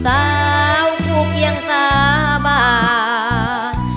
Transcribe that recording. เตาทุกข์ยังสาบาด